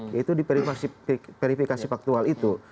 yaitu di verifikasi faktual itu